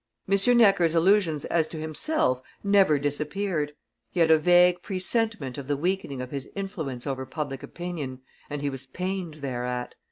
M. Necker's illusions as to himself never disappeared; he had a vague presentiment of the weakening of his influence over public opinion, and he was pained thereat.